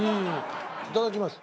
いただきます。